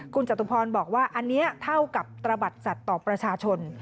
คุณจตุพรบอกว่าอันนี้เท่ากับตระบัดสัตว์ต่อประชาชน